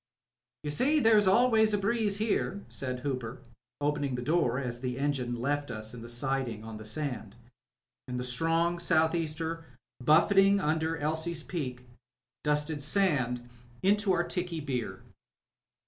"You see there's always a breeze here/' said Hooper, opening the door as the engine left us in the siding on ^he sand, knd the strong south easter buffeting under Elsie's Peak dusted sand into our tickey beer.